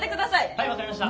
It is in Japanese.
はい分かりました。